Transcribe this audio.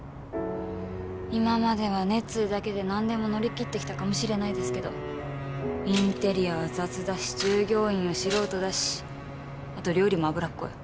今までは熱意だけでなんでも乗りきってきたかもしれないですけどインテリアは雑だし従業員は素人だしあと料理も脂っこい。